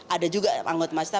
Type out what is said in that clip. ada juga anggota masyarakat